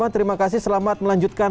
terima kasih selamat melanjutkan